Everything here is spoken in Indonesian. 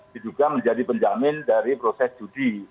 diduga menjadi penjamin dari proses judi